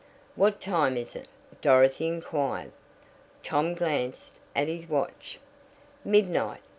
"What time is it?" Dorothy inquired. Tom glanced at his watch. "Midnight!"